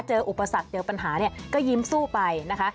เจออุปสรรคเจอปัญหาก็ยิ้มสู้ไปนะคะ